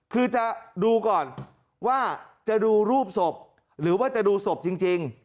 คือจะดูก่อนว่าจะดูรูปศพหรือว่าจะดูศพจริง